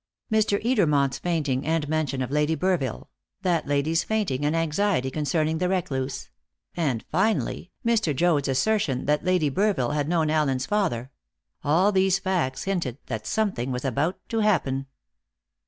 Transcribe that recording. Mr. Edermont's fainting and mention of Lady Burville; that lady's fainting and anxiety concerning the recluse; and finally, Mr. Joad's assertion that Lady Burville had known Allen's father all these facts hinted that something was about to happen.